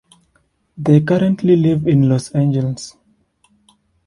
They currently live in Los Angeles.